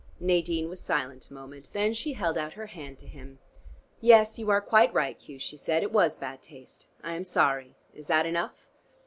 Nadine was silent a moment. Then she held out her hand to him. "Yes, you are quite right, Hugh," she said. "It was bad taste. I am sorry. Is that enough?"